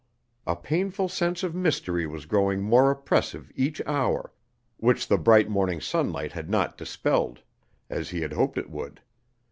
A painful sense of mystery was growing more oppressive each hour, which the bright morning sunlight had not dispelled, as he had hoped it would.